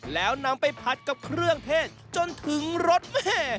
แล้วนำไปผัดกับเครื่องเทศจนถึงรสแม่